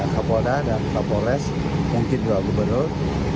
kapolda dan kapolres mungkin dua gubernur